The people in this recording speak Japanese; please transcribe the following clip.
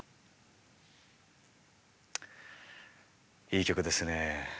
いい曲ですよね。